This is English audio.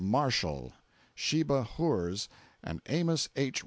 Marshall, Sheba Hurs and Amos H.